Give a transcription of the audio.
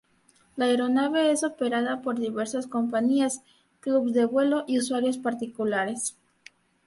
La aeronave es operada por diversas compañías, clubs de vuelo y usuarios particulares.